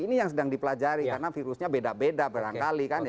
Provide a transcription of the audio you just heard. ini yang sedang dipelajari karena virusnya beda beda barangkali kan ya